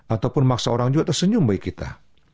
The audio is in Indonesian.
ataupun maksa orang juga tersenyum bagi kita